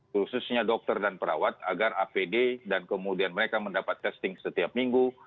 khususnya dokter dan perawat agar apd dan kemudian mereka mendapat testing setiap minggu